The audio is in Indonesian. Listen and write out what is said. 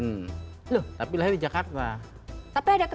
yang main bassnya kakak itu menado